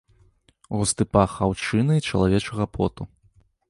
Густы пах аўчыны і чалавечага поту.